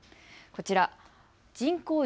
こちら人口